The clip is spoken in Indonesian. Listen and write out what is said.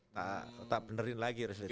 tak tak benerin lagi resleting